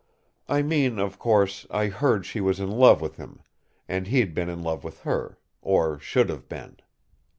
I mean, of course, I heard she was in love with him, and he'd been in love with her or should have been.